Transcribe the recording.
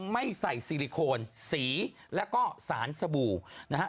ไม่ใส่ซิลิโคนสีแล้วก็สารสบู่นะฮะ